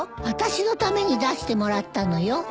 私のために出してもらったのよ。